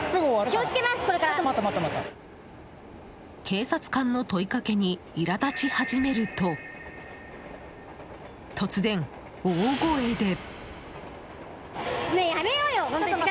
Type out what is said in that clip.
警察官の問いかけにいらだち始めると突然、大声で。